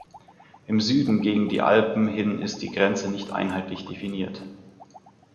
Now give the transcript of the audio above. Im Süden gegen die Alpen hin ist die Grenze nicht einheitlich definiert.